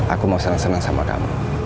aku mau seneng seneng sama kamu